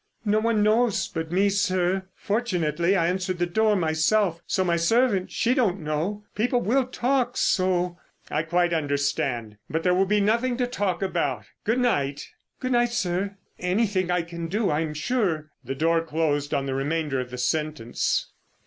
"No one knows but me, sir. Fortunately, I answered the door myself, so my servant, she don't know. People will talk, so——" "I quite understand. But there will be nothing to talk about. Good night." "Good night, sir. Anything I can do I'm sure——" The door closed on the remainder of the sentence.